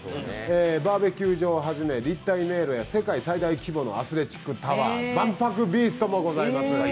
バーベキュー場をはじめ、立体迷路や世界最大のアスレチックタワー、万博ＢＥＡＳＴもございます。